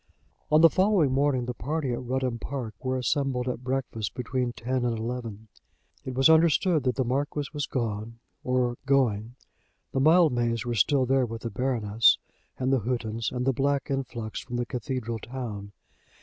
On the following morning the party at Rudham Park were assembled at breakfast between ten and eleven. It was understood that the Marquis was gone, or going. The Mildmays were still there with the Baroness, and the Houghtons, and the black influx from the cathedral town.